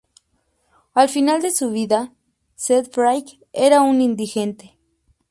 Al final de su vida, Selfridge era un indigente.